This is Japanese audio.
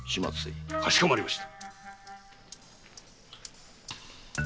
かしこまりました。